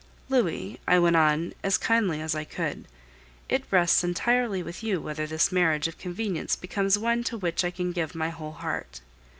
"Louis," I went on, as kindly as I could, "it rests entirely with you whether this marriage of convenience becomes one to which I can give my whole heart.